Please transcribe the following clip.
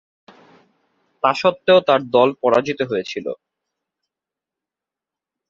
তাস্বত্ত্বেও তার দল পরাজিত হয়েছিল।